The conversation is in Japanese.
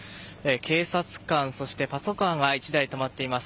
警察官、そしてパトカーが１台止まっています。